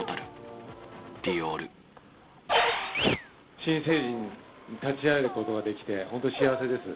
新成人に立ち会えることができて本当、幸せです。